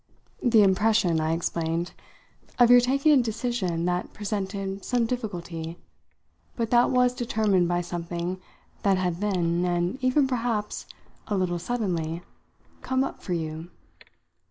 The impression," I explained, "of your taking a decision that presented some difficulty, but that was determined by something that had then and even perhaps a little suddenly come up for you.